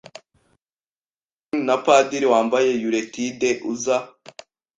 nta pudding na padiri wambaye yuletide uza